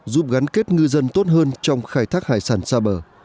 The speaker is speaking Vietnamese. giúp gắn kết ngư dân tốt hơn trong khai thác hải sản xa bờ